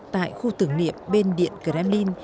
tại khu tưởng niệm bên điện kremlin